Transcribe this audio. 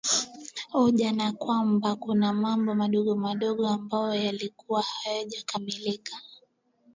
oja na kwamba kuna mambo madogo madogo ambayo yalikuwa hayajakamilika